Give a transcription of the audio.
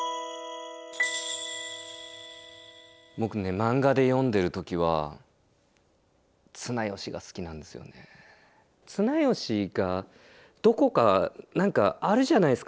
漫画で読んでる時は綱吉がどこか何かあるじゃないですか